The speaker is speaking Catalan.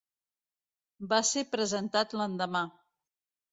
Va ser presentat l'endemà.